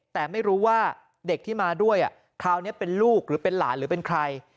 แต่ไม่รู้ว่าเด็กที่มาด้วยคราวนี้เป็นลูกหรือเป็นหลานหรือเป็นใคร